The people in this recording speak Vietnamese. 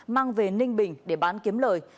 mang về ninh bình để bán kiếm lời